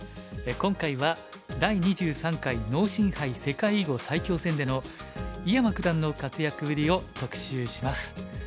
今回は第２３回農心杯世界囲碁最強戦での井山九段の活躍ぶりを特集します。